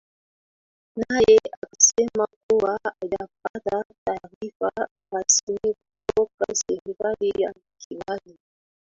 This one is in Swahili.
naye akasema kuwa hajapata taarifa rasmi kutoka serikali ya kigali